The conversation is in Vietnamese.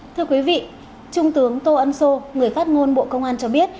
thưa quý vị trung tướng tô ân sô người phát ngôn bộ công an cho biết